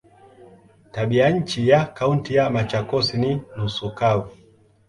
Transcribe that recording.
Tabianchi ya Kaunti ya Machakos ni nusu kavu.